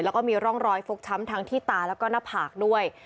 แล้วก็มีร่องรอยฟกช้ำทั้งที่ตาแล้วก็หน้าผากด้วย